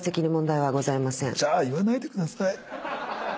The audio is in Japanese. じゃあ言わないでください。